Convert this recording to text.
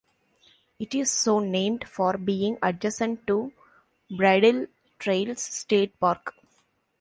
It is so named for being adjacent to Bridle Trails State Park.